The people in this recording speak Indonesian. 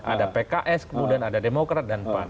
ada pks kemudian ada demokrat dan pan